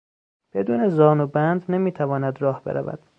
بدون زانوبند نمیتواند راه برود.